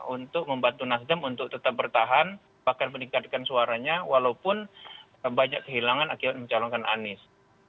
untuk membantu nasdem untuk tetap bertahan bahkan meningkatkan suaranya walaupun banyak kehilangan akibat mencalonkan anies